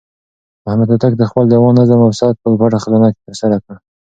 محمد هوتک د خپل دېوان نظم او ثبت په پټه خزانه کې ترسره کړ.